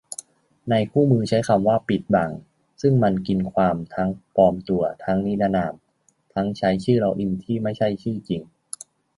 ในคู่มือใช้คำว่า "ปิดบัง" ซึ่งมันกินความ ทั้งปลอมตัว ทั้งนิรนาม ทั้งใช้ชื่อล็อกอินที่ไม่ใช่ชื่อจริง